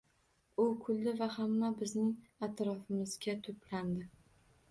U kuldi va hamma bizning atrofimizga to‘plandi.